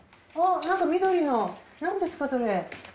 なんか緑の何ですかそれ？